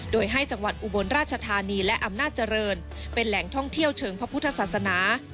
โดยให้จังหวัดอุบลราชธานีและอำนาจเจริญเป็นแหล่งท่องเที่ยวเชิงพระพุทธศาสนา